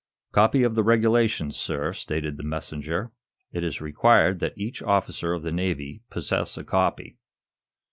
"Copy of the Regulations, sir" stated the messenger. "It is required that each officer of the Navy possess a copy."